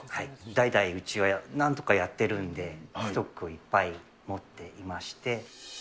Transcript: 代々うちはなんとかやってるんで、ストックをいっぱい持っていまして。